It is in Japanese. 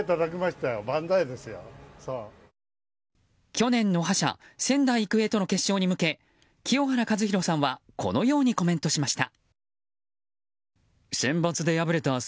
去年の覇者仙台育英との決勝へ向け清原和博さんはこのようにコメントしました。